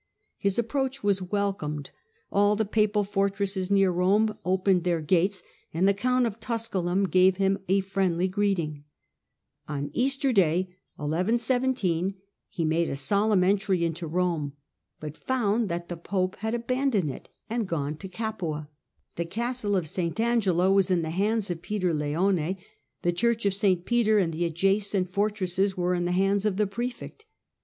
His approach was welcomed ; all the papal fortresses near Rome opened their gates, and the count of Tusculum gave him a friendly greeting. On Easter day he made a solemn entry into Rome, but found that the pope had abandoned it, and gone to Henry Capua. The castle of St. Angelo was in the Storch 25°"^ hands of Peter Leone ; the church of St. Peter 1117 and the adjacent fortresses were in the hands of the prefect.